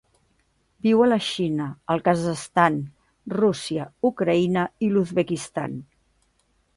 Viu a la Xina, el Kazakhstan, Rússia, Ucraïna i l'Uzbekistan.